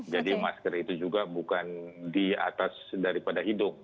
jadi masker itu juga bukan di atas daripada hidung